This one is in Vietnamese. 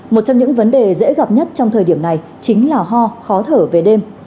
một trong những vấn đề dễ gặp nhất trong thời điểm này chính là ho khó thở về đêm